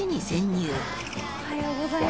おはようございます。